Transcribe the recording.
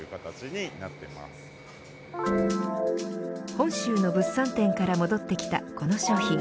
本州の物産展から戻ってきたこの商品。